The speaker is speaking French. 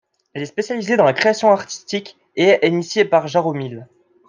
Elle est spécialisée dans la création artistique, et est initiée par Jaromil.